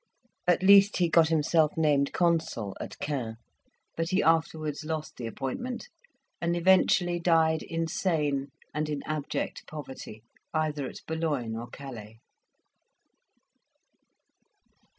At least he got himself named consul at Caen; but he afterwards lost the appointment, and eventually died insane, and in abject poverty, either at Boulogne or Calais.